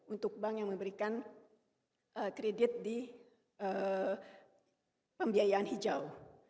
untuk bank yang memberikan kredit di pembiayaan hijau